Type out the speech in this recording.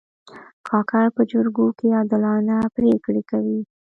کاکړ په جرګو کې عادلانه پرېکړې کوي.